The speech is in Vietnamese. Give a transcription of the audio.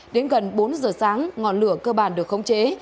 đến gần bốn giờ sáng ngọn lửa cơ bản được khống chế